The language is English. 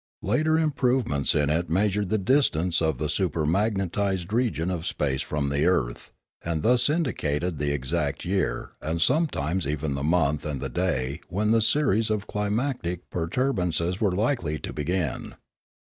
Later improvements in it measured the distance of the supermagnetised region of space from the earth, and thus indicated the exact year and sometimes even the month and the day when the series of climatic perturb ations were likely to begin.